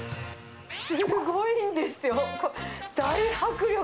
すごいんですよ、大迫力。